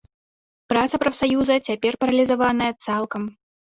Праца прафсаюза цяпер паралізаваная цалкам.